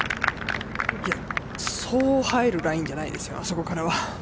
そう入るラインじゃないですよ、あそこからは。